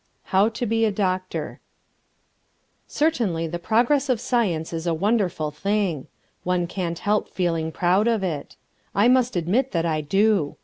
How to be a Doctor Certainly the progress of science is a wonderful thing. One can't help feeling proud of it. I must admit that I do.